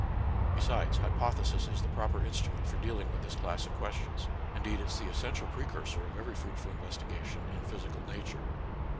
Besides, hypothesis is the proper instrument for dealing with this class of questions ; indeed, it is the essential precursor of every fruitful investigation in physical na ture.